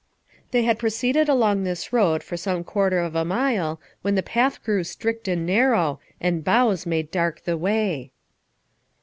They had proceeded along this road for some quarter of a mile when the path grew strict and narrow, and boughs made dark the way.